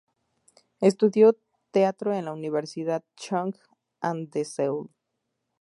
Estudio teatro en la universidad Chung-Ang de Seul.